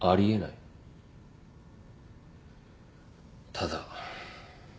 ただ。